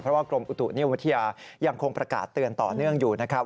เพราะว่ากรมอุตุนิยมวิทยายังคงประกาศเตือนต่อเนื่องอยู่นะครับ